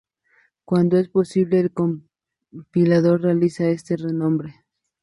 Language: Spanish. Cuando es posible, el compilador realiza este renombre.